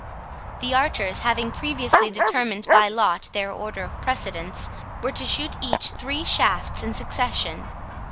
The archers, having previously determined by lot their order of precedence, were to shoot each three shafts in succession.